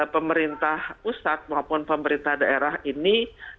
pemerintah pusat maupun pemerintah daerah ini